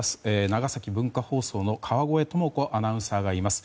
長崎文化放送の川越智子アナウンサーがいます。